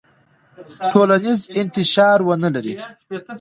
ټولنیز انتشار ونلري.